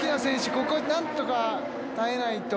ここなんとか耐えないと。